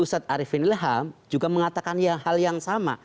ustadz arifin ilham juga mengatakan ya hal yang sama